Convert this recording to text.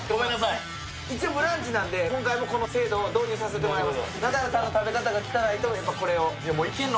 一応「ブランチ」なんで、この制度を導入させていただきます。